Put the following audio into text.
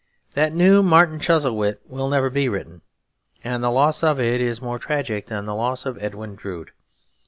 That new Martin Chuzzlewit will never be written; and the loss of it is more tragic than the loss of Edwin Drood.